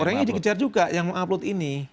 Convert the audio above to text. ya orangnya dikejar juga yang mau upload ini